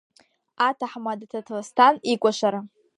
Аҭаҳмада Ҭаҭласҭан икәашара…